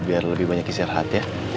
biar lebih banyak yang sehat ya